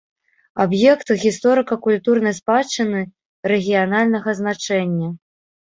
Аб'ект гісторыка-культурнай спадчыны рэгіянальнага значэння.